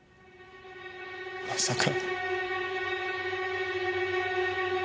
まさか。